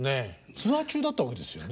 ツアー中だったわけですよね。